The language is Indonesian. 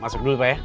masuk dulu pak ya